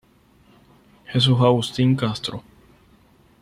Jesús Agustín Castro.